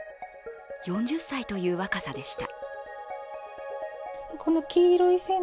４０歳という若さでした。